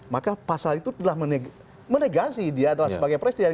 maka pasal itu telah menegasi dia adalah sebagai presiden